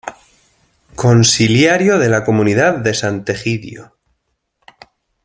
Consiliario de la comunidad de Sant’Egidio.